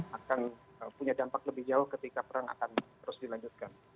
dan akan punya dampak lebih jauh ketika perang akan terus dilanjutkan